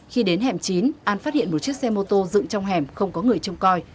khi đến hẻm chín an phát hiện một chiếc xe mô tô dựng trong hẻm không có người trông coi